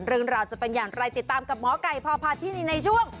เรื่องราวจะเป็นอย่างไรติดตามกับหมอไก่พพาธินีในช่วง